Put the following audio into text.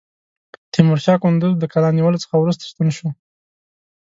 تیمورشاه کندوز د قلا نیولو څخه وروسته ستون شو.